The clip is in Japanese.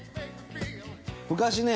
昔ね。